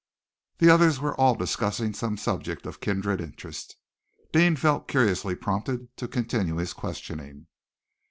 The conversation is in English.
The others were all discussing some subject of kindred interest. Deane felt curiously prompted to continue his questioning.